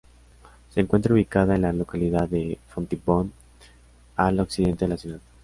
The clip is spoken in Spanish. Se encuentra ubicada en la localidad de Fontibón, al occidente de la ciudad.